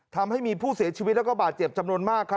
ทำให้มีผู้เสียชีวิตและบาดเจ็บจำนวนมาก